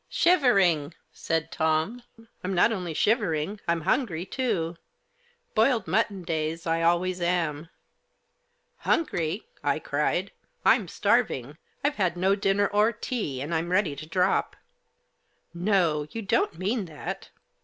"Shivering!" said Tom. "I'm not only shiver ing ; Fm hungry too. Boiled mutton days I always am." " Hungry !" I cried. " Fm starving. Fve had no dinner or tea, and Fm ready to drop." " No ! You don't mean that